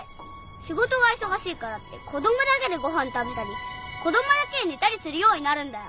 仕事が忙しいからって子供だけでご飯食べたり子供だけで寝たりするようになるんだよ。